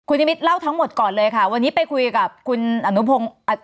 นิมิตรเล่าทั้งหมดก่อนเลยค่ะวันนี้ไปคุยกับคุณอนุพงศ์